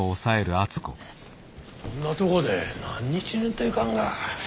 こんなとこで何日寝んといかんが。